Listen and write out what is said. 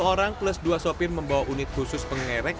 lima orang plus dua sopir membawa unit khusus pengerek